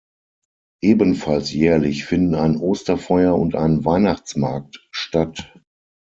Ebenfalls jährlich finden ein Osterfeuer und ein Weihnachtsmarkt statt.